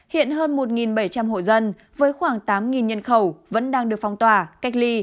hiện hơn một bảy trăm linh hộ dân với khoảng tám nhân khẩu vẫn đang được phong tỏa cách ly